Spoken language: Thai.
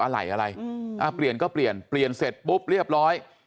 อะไรอะไรเปลี่ยนก็เปลี่ยนเปลี่ยนเสร็จปุ๊บเรียบร้อย